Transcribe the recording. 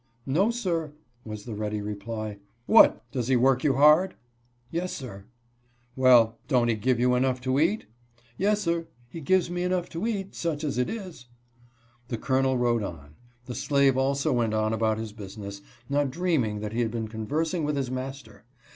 "No, sir," was the ready reply. " What, does he work you hard ?"" Yes, sir." " Well, don't he give you enough to eat ?"" Yes, sir, he gives me enough to eat, such as it is." The Colonel rode on ; the slave also went on about his business, not dreaming that he had been conversing with his master.